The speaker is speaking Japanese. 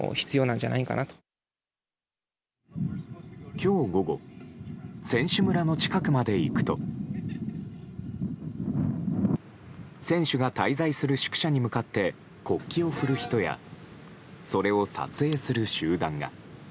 今日午後選手村の近くまで行くと選手が滞在する宿舎に向かって国旗を振る人やそれを撮影する集団が。